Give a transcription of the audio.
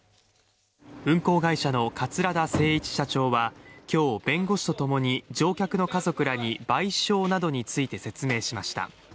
運航会社の桂田精一社長は今日、弁護士とともに乗客の家族らに賠償などについて説明しました。